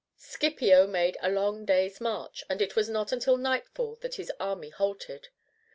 Scipio made a long day's march, and it was not until nightfall that his army halted.